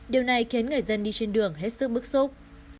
điều này khiến người dân đi trên đường hết sức bức xúc